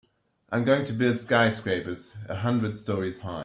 I'm going to build skyscrapers a hundred stories high.